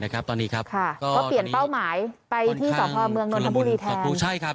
ก็เปลี่ยนเป้าหมายไปที่สพอเมืองนนทบุรีแทน